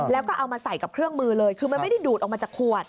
แล้วก็เอามาใส่กับเครื่องมือเลยคือมันไม่ได้ดูดออกมาจากขวด